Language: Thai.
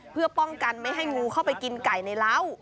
เพื่อป้องกันไม่ให้งูเข้าไปกินไก่ในเล้า